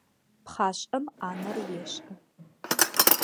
Пхъашӏэм ӏанэр ешӏы.